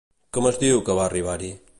Com es diu que va arribar-hi?